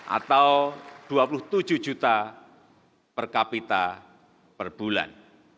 atau dua puluh tujuh juta per kapita per bulan